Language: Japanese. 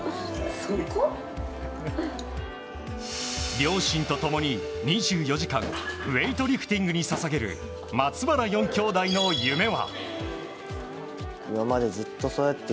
両親と共に２４時間ウエイトリフティングに捧げる松原４きょうだいの夢は。